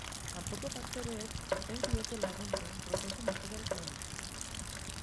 Kanpoko faktoreek ez diote laguntzen prozesu natural honi.